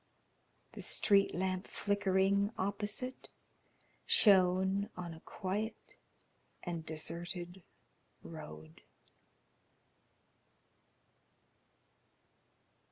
The street lamp flickering opposite shone on a quiet and deserted road.